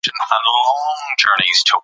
ده د لاس صنايعو ودې هڅه کړې وه.